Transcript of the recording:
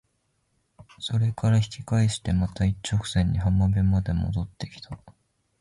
それから引き返してまた一直線に浜辺まで戻って来た。